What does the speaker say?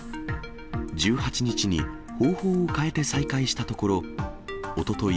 １８日に方法を変えて再開したところ、おととい、